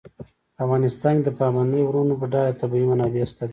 په افغانستان کې د پابندي غرونو بډایه طبیعي منابع شته دي.